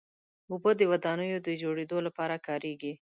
اوبه د ودانیو د جوړېدو لپاره کارېږي.